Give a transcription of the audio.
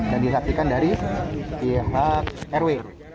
dan disaksikan dari pihak rw